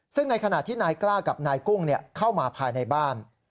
ซึ่งในขณะที่นายกล้ากับนายกุ้งเข้ามาภายในบ้าน